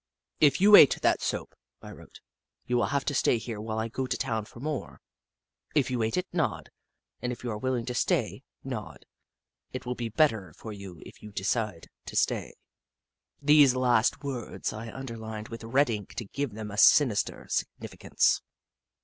"If you ate that soap," I wrote, " you will have to stay here while I go to town for more. If you ate it, nod, and if you are willing to stay, nod. It will be better for you if you decide to stay." These last words I underlined with red ink to give them a sinister significance.